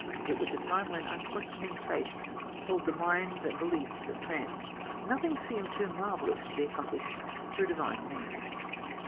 It was a time when unquestioning faith held the minds and beliefs of men. Nothing seemed too marvelous to be accomplished through Divine means.